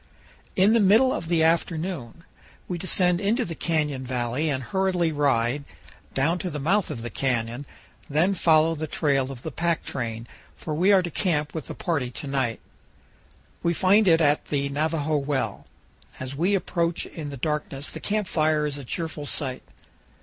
In the middle of the 328 8 CANYONS OF THE COLORADO. afternoon we descend into the canyon valley and hurriedly ride, down to the mouth of the canyon, then follow the trail of the pack train, for we are to camp with the party to night. We find it at the Navajo Well. As we approach in the darkness the camp fire is a cheerful sight.